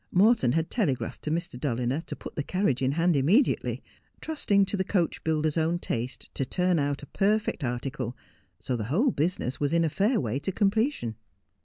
Morton had telegraphed to Mr. Dulliner to put the carriage in hand immediately, trusting to the coachbuilder's own taste to turn out a perfect article, so the whole business was in a fair way to completion.